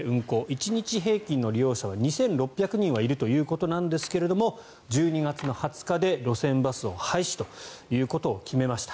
１日平均の利用者は２６００人はいるということですが１２月の２０日で路線バスを廃止ということを決めました。